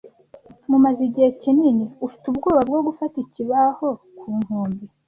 Mumaze igihe kinini ufite ubwoba bwo gufata ikibaho ku nkombe,